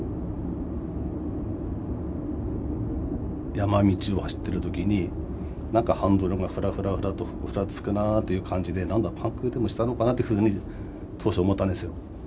山道を走ってる時に何かハンドルがふらふらふらとふらつくなという感じで何だパンクでもしたのかなというふうに当初思ったんですよ。